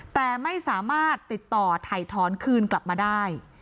แต่ไม่สามารถติดต่อถ่ายถอนคืนกลับมาได้